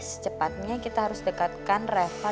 secepatnya kita harus dekatkan reva